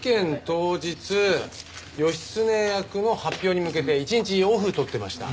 当日義経役の発表に向けて一日オフ取ってました。